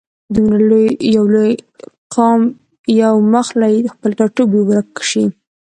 دومره یو لوی قام یو مخ له خپل ټاټوبي ورک شي.